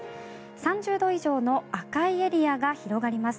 ３０度以上の赤いエリアが広がります。